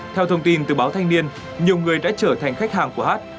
theo thông tin từ báo thanh niên nhiều người đã trở thành khách hàng của hát